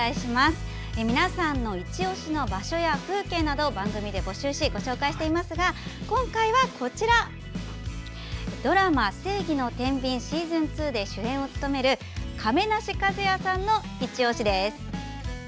皆さんのいちオシの場所や風景など番組で募集しご紹介していますが今回はドラマ「正義の天秤Ｓｅａｓｏｎ２」主演を務める亀梨和也さんのいちオシです。